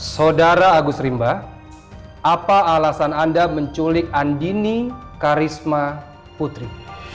saudara agus rimba apa alasan anda menculik andini karisma putri